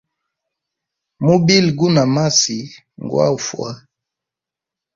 Mubili guna masi ngwa ufwa.